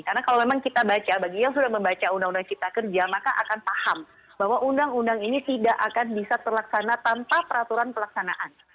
karena kalau memang kita baca bagi yang sudah membaca undang undang cipta kerja maka akan paham bahwa undang undang ini tidak akan bisa terlaksana tanpa peraturan pelaksanaan